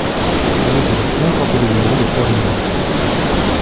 C'est l'église Saint-Pantéléïmon de Florina.